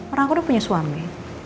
orang aku udah punya suami